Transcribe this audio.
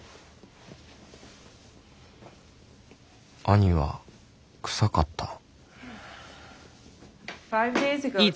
兄は臭かったん？